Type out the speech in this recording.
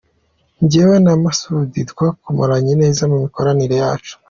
"Njyewe na Masud twakoranye neza mu mikoranire yacu.